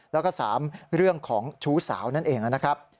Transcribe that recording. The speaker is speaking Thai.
แล้วก็๓เรื่องของชู้สาวนั่นเองนะครับ